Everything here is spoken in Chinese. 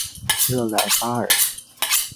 热莱巴尔。